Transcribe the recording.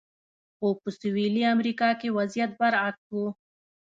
خو په سویلي امریکا کې وضعیت برعکس و.